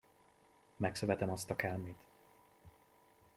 Megszövetem azt a kelmét!